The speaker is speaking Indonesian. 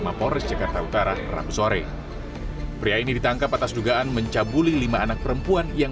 mapores jakarta utara rabu sore pria ini ditangkap atas dugaan mencabuli lima anak perempuan yang